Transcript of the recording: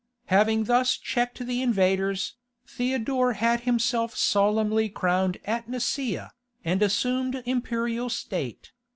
Having thus checked the invaders, Theodore had himself solemnly crowned at Nicaea, and assumed imperial state .